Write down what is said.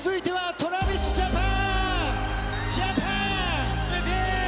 ＴｒａｖｉｓＪａｐａｎ！